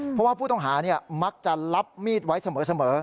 เพราะว่าผู้ต้องหามักจะรับมีดไว้เสมอ